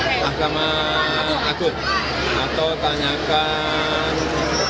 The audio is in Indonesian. itu tanyakan ke mahkamah agung atau tanyakan ke yadigat